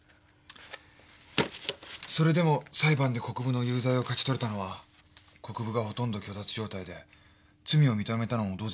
それでも裁判で国府の有罪を勝ち取れたのは国府がほとんど虚脱状態で罪を認めたのも同然だったからだ。